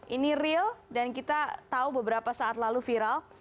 ini real dan kita tahu beberapa saat lalu viral